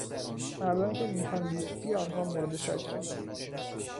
مردانی که میهن دوستی آنها مورد شک است